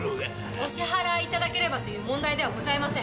お支払い頂ければという問題ではございません。